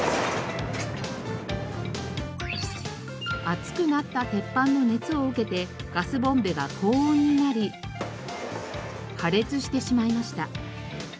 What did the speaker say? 熱くなった鉄板の熱を受けてガスボンベが高温になり破裂してしまいました。